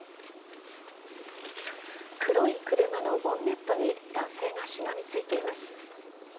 黒い車のボンネットに男性がしがみついています。